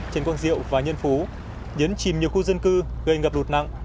trần quang diệu và nhân phú đến chìm nhiều khu dân cư gây ngập lột nặng